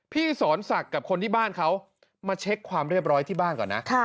พี่สอนศักดิ์กับคนที่บ้านเขามาเช็คความเรียบร้อยที่บ้านก่อนนะ